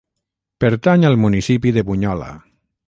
Pertany al municipi de Bunyola.